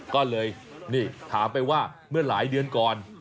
ก็เลยนี่ถามไปว่าเมื่อหลายเดือนก่อน